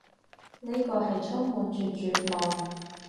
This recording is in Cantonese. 呢個係充滿住絕望